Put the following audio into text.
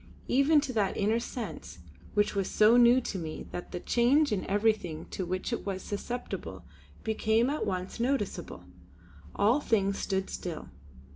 Even to that inner sense, which was so new to me that the change in everything to which it was susceptible became at once noticeable, all things stood still.